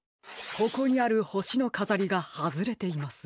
ここにあるほしのかざりがはずれています。